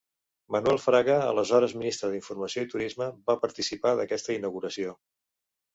Manuel Fraga, aleshores ministre d'informació i turisme, va participar d'aquesta inauguració.